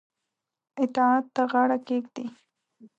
اطاعت ته غاړه کښيږدي.